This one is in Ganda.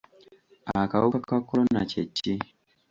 Akawuka ka kolona kye ki?